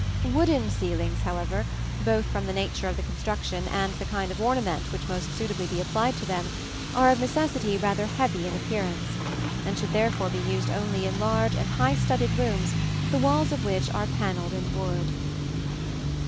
Wooden ceilings, however, both from the nature of the construction and the kind of ornament which may most suitably be applied to them, are of necessity rather heavy in appearance, and should therefore be used only in large and high studded rooms the walls of which are panelled in wood.